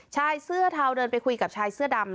ชายเสื้อเทาเดินไปคุยกับชายเสื้อดำ